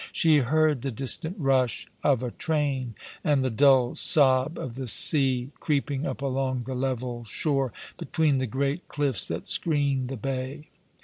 She heard the distant rush of a train, and the dull sob of the sea creeping up along the level shore, between the great cliffs that screened the bay.